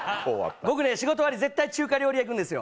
僕ね、仕事終わり、絶対、中華屋行くんですよ。